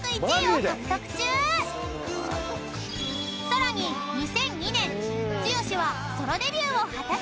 ［さらに２００２年剛はソロデビューを果たす］